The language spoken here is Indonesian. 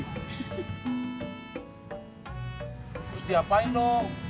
terus diapain no